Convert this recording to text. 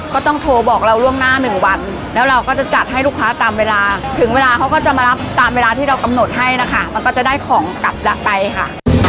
ก็ต้องโทรบอกเราล่วงหน้าหนึ่งวันแล้วเราก็จะจัดให้ลูกค้าตามเวลาถึงเวลาเขาก็จะมารับตามเวลาที่เรากำหนดให้นะคะมันก็จะได้ของกลับไปค่ะ